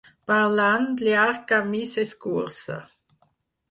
Parlant, llarg camí s'escurça.